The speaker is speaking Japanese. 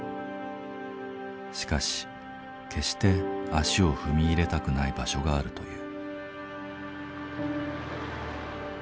しかし決して足を踏み入れたくない場所があるという。